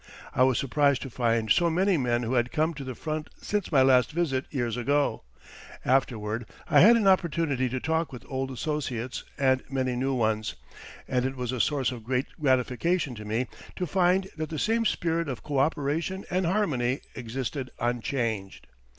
I was surprised to find so many men who had come to the front since my last visit years ago. Afterward I had an opportunity to talk with old associates and many new ones, and it was a source of great gratification to me to find that the same spirit of coöperation and harmony existed unchanged.